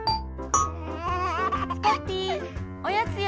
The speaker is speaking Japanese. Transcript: ・スポッティーおやつよ。